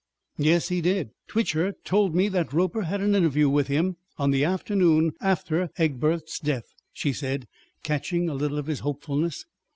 "Yes, he did. Twitcher told me that Roper had an interview with him on the afternoon after Egbert's death," she said, catching a little of his hopefulness.